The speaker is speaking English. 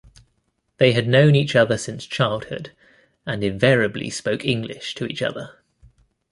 They had known each other since childhood, and invariably spoke English to each other.